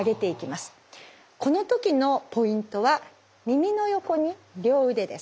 この時のポイントは耳の横に両腕です。